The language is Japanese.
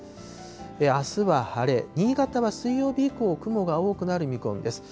あすは晴れ、新潟は水曜日以降、雲が多くなる見込みです。